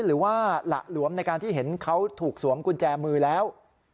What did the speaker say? หรือว่าหละหลวมในการที่เห็นเขาถูกสวมกุญแจมือแล้ว